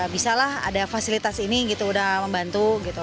bisa lah ada fasilitas ini udah membantu